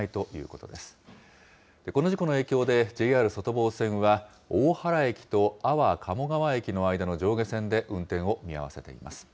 この事故の影響で、ＪＲ外房線は、大原駅と安房鴨川駅の間の上下線で運転を見合わせています。